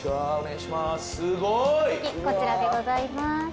こちらでございます。